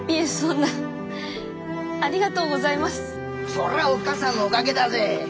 そらおっ母さんのおかげだぜ。